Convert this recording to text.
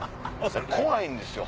怖いんですよ